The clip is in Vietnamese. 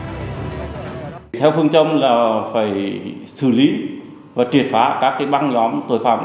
theo phương châm là phải xử lý và triệt phá các băng nhóm tội phạm